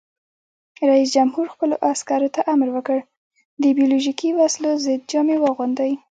رئیس جمهور خپلو عسکرو ته امر وکړ؛ د بیولوژیکي وسلو ضد جامې واغوندئ!